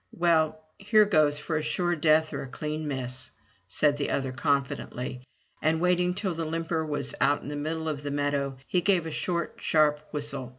"Well, here goes for a sure death or a clean miss,*' said the other confidently, and, waiting till the limper was out in the middle of the meadow, he gave a short, sharp whistle.